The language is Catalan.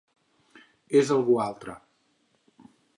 És algú altre.